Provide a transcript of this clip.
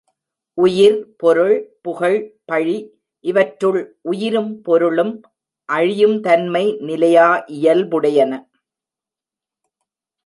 உயிர், பொருள், புகழ், பழி இவற்றுள் உயிரும் பொருளும் அழியும் தன்மைய நிலையா இயல் புடையன.